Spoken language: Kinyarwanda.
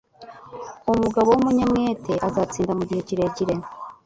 Umugabo w'umunyamwete azatsinda mugihe kirekire